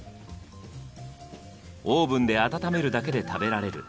オーブンで温めるだけで食べられる。